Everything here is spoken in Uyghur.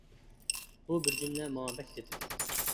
بۇ بىر جۈملە ماڭا بەك تېتىدى.